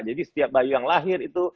jadi setiap bayi yang lahir itu